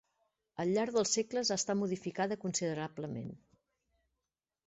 Al llarg dels segles ha estat modificada considerablement.